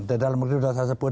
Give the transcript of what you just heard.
di dalam negeri sudah saya sebut